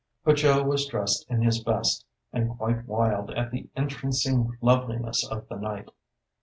But Joe was dressed in his best, and quite wild at the entrancing loveliness of the night.